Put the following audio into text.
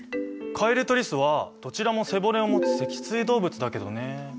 カエルとリスはどちらも背骨をもつ脊椎動物だけどね。